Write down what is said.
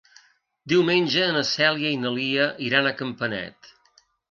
Diumenge na Cèlia i na Lia iran a Campanet.